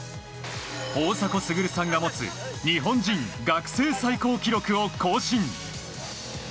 大迫傑さんが持つ日本人学生最高記録を更新。